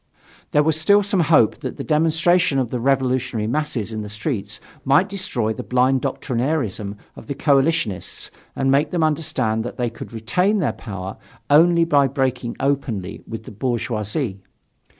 There was still some hope that the demonstration of the revolutionary masses in the streets might destroy the blind doctrinairism of the coalitionists and make them understand that they could retain their power only by breaking openly with the bourgeoisie.